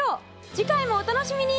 次回もお楽しみに！